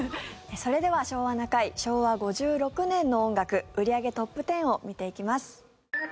それでは「昭和な会」昭和５６年の音楽売り上げトップ１０を見ていきます。